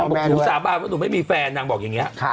คุณพ่อแม่ด้วยหนูสาบานว่าหนูไม่มีแฟนนางบอกอย่างเงี้ยค่ะค่ะ